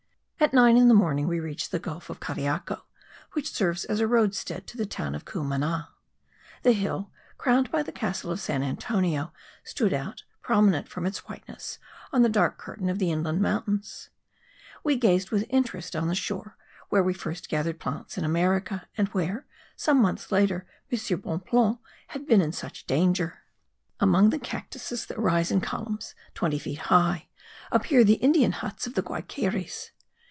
At nine in the morning we reached the gulf of Cariaco which serves as a roadstead to the town of Cumana. The hill, crowned by the castle of San Antonio, stood out, prominent from its whiteness, on the dark curtain of the inland mountains. We gazed with interest on the shore, where we first gathered plants in America, and where, some months later, M. Bonpland had been in such danger. Among the cactuses, that rise in columns twenty feet high, appear the Indian huts of the Guaykeries.